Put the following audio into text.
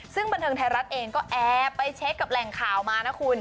ซึ่งบันเทิงไทยรัฐเองก็แอบไปเช็คกับแหล่งข่าวมานะคุณ